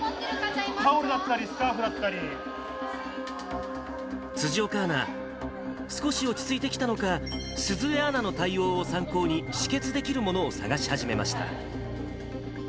タオルだったりスカーフだっ辻岡アナ、少し落ち着いてきたのか、鈴江アナの対応を参考に、止血できるものを探し始めました。